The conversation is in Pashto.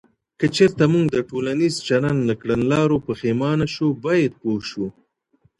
که چیرته موږ د ټولنیز چلند له کړنلارو پښېمانه شو، باید پوه شو.